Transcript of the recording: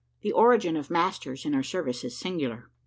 The origin of masters in our service in singular.